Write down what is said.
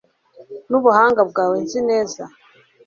Nubuhanga bwawe nzi neza